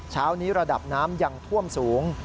เช้านี้ระดับน้ำยังท่วมสูง